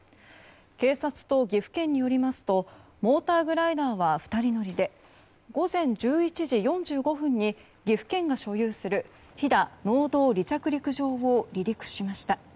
警察と岐阜県によりますとモーターグライダーは２人乗りで午前１１時４５分に岐阜県が所有する飛騨農道離着陸場を離陸しました。